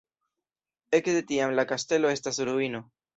Ekde tiam la kastelo estas ruino.